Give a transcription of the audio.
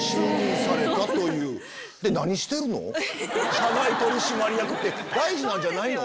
社外取締役って大事なんじゃないの？